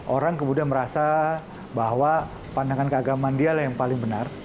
orang kemudian merasa bahwa pandangan keagaman dialah yang paling benar